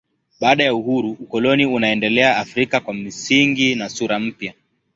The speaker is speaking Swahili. Baada ya uhuru ukoloni unaendelea Afrika kwa misingi na sura mpya.